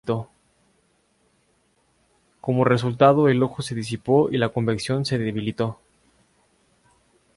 Como resultado, el ojo se disipó y la convección se debilitó.